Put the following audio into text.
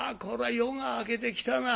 夜が明けてきたな。